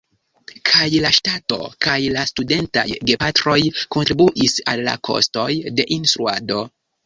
Kaj la ŝtato kaj la studentaj gepatroj kontribuis al la kostoj de instruado.